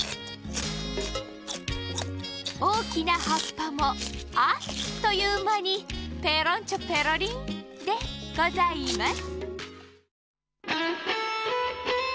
おおきなはっぱもあっというまに「ぺろんちょぺろりん」でございます。